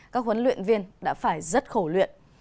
các huấn luyện viên đã phải rất khổ luyện